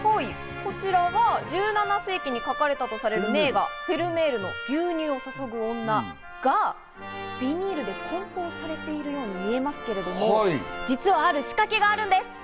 こちらは１７世紀に描かれたとされる絵画、フェルメールの『牛乳を注ぐ女』がビニールで梱包されているように見えますけど、実はある仕掛けがあるんです。